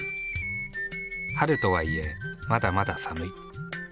春とはいえまだまだ寒い。